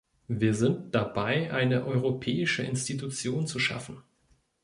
Wir sind dabei, eine europäische Institution zu schaffen.